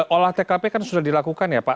olah tkp kan sudah dilakukan ya pak